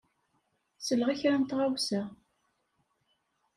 Selleɣ i kra n tɣawsa.